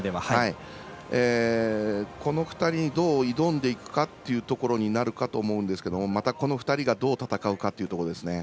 この２人にどう挑んでいくかということになるかと思うんですがまたこの２人がどう戦うかというところですね。